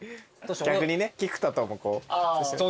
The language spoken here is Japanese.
逆にね菊田ともこう。